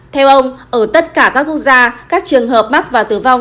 theo ông ở tất cả các quốc gia các trường hợp mắc và tử vong